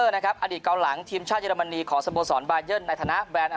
นะครับอดีตเกาหลังทีมชาติเยอรมนีขอสมบูรณ์สอนในฐานะ